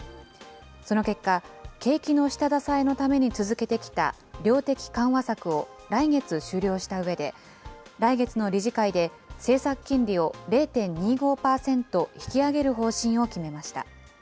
その結果、景気の下支えのために続けてきた量的緩和策を来月終了したうえで、来月の理事会で、政策金利を０．２５％引き上げる方針を決めました。